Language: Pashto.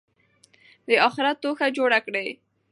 د آخرت توښه جوړه کړئ.